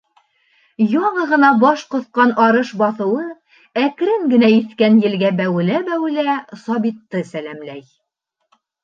Яңы ғына баш ҡоҫҡан арыш баҫыуы әкрен генә иҫкән елгә бәүелә-бәүелә Сабитты сәләмләй.